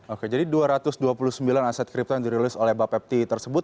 oke jadi dua ratus dua puluh sembilan aset kripto yang dirilis oleh bapepti tersebut